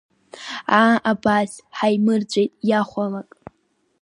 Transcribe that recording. Аа, абааԥс, ҳаимырҵәеит, иахәалак!